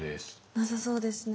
なさそうですね。